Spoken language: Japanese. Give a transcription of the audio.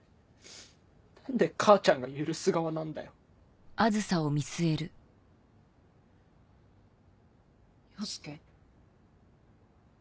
何で母ちゃんが許す側なんだよ。陽介？